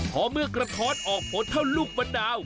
หอเมื่อกระทอดออกผลเท่าลูกบันดาว